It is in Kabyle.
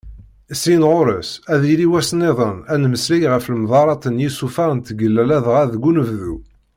Syin ɣer-s, ad yili wass-nniḍen, ad nemmeslay ɣef lemḍarrat n yisufar n tgella ladɣa deg unebdu.